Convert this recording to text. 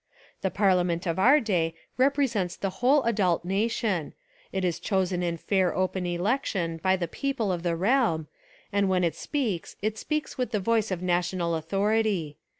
The parlia ment of our day represents the whole adult nation: it is chosen in fair open election by the people of the realm, and when it speaks it speaks with the voice of national authority.